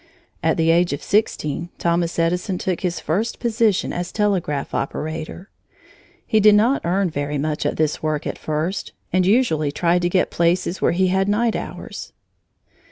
At the age of sixteen, Thomas Edison took his first position as telegraph operator. He did not earn very much at this work, at first, and usually tried to get places where he had night hours.